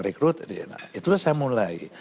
rekrut itu saya mulai